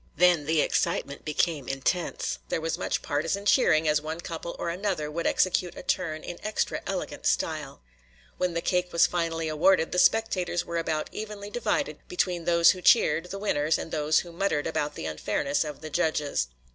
Then the excitement became intense; there was much partisan cheering as one couple or another would execute a turn in extra elegant style. When the cake was finally awarded, the spectators were about evenly divided between those who cheered the winners and those who muttered about the unfairness of the judges.